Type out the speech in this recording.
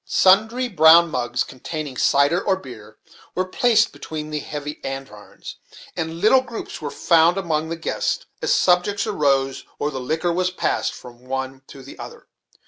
Sundry brown mugs, containing cider or beer, were placed between the heavy andirons, and little groups were found among the guests as subjects arose or the liquor was passed from one to the other.